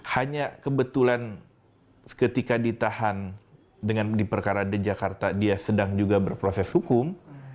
hanya kebetulan ketika ditahan dengan di perkara di jakarta dia sedang juga berproses hukum